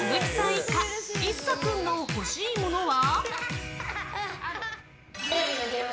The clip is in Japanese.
一家一颯君の欲しいものは。